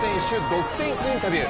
独占インタビュー。